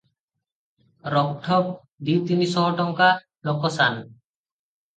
ରୋକ୍ ଠୋକ୍ ଦି ତିନି ଶହ ଟଙ୍କା ଲୋକସାନ!